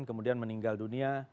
kemudian meninggal dunia